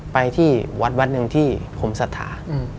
ไปที่วัดหนึ่งที่ผมสถา